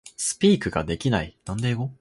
Speak ができない